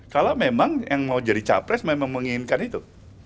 kalau memang yang mau jadi capres memang menginginkan itu